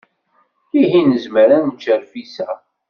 Ihi nezmer ad nečč rfis-a?